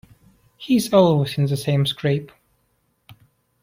He's always in the same scrape.